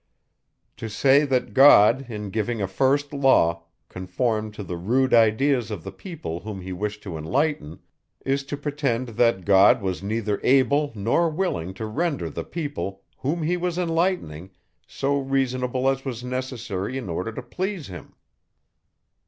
To say, that God, in giving a first law, conformed to the rude ideas of the people whom he wished to enlighten, is to pretend that God was neither able nor willing to render the people, whom he was enlightening, so reasonable as was necessary in order to please him.